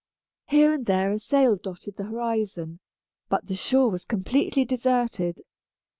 Here and there a sail dotted the horizon, but the shore was completely deserted.